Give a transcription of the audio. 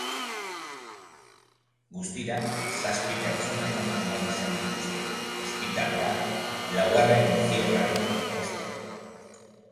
Guztira zazpi pertsona eraman behar izan dituzte ospitalera laugarren entzierroaren ostean.